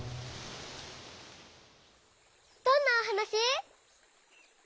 どんなおはなし？